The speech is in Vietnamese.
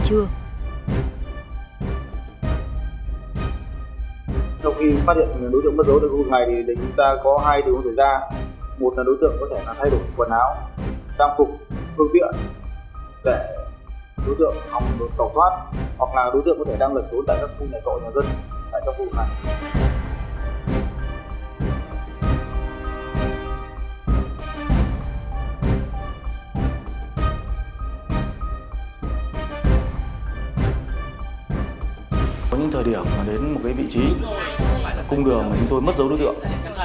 có những thời điểm đến một vị trí cung đường mà chúng tôi mất dấu đối tượng